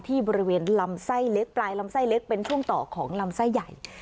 บริเวณลำไส้เล็กปลายลำไส้เล็กเป็นช่วงต่อของลำไส้ใหญ่